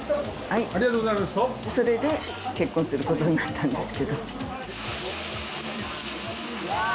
それで結婚することになったんですけど。